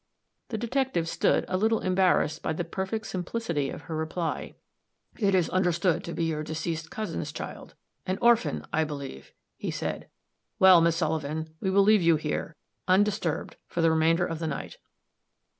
The detective stood, a little embarrassed by the perfect simplicity of her reply. "It is understood to be your deceased cousin's child an orphan, I believe," he said. "Well, Miss Sullivan, we will leave you here, undisturbed, for the remainder of the night."